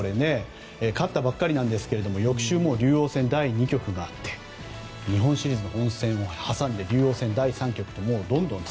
勝ったばかりなんですけど翌週、竜王戦第２局があって日本シリーズの本戦を挟んで竜王戦第３局ともう、どんどん続くと。